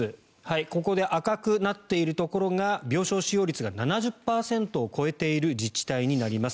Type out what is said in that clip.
ここで赤くなっているところが病床使用率が７０％を超えている自治体になります。